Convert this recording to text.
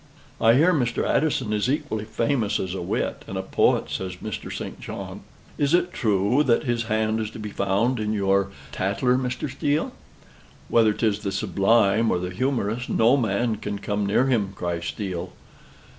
"I hear Mr. Addison is equally famous as a wit and a poet," says Mr. St. John. "Is it true that his hand is to be found in your 'Tatler,' Mr. Steele?" "Whether 'tis the sublime or the humorous, no man can come near him," cries Steele.